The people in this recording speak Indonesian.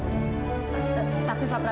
tapi pak prabu